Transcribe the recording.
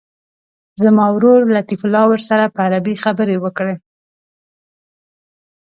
زما ورور لطیف الله ورسره په عربي خبرې وکړي.